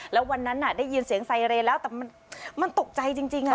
แล้ววันนั้นได้ยินเสียงไซเรนแล้วแต่มันตกใจจริง